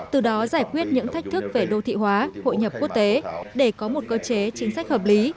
từ đó giải quyết những thách thức về đô thị hóa hội nhập quốc tế để có một cơ chế chính sách hợp lý